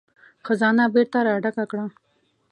خزانه بېرته را ډکه کړه.